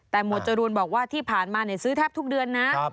แต่หมวดจรูนบอกว่าที่ผ่านมาซื้อแทบทุกเดือนนะ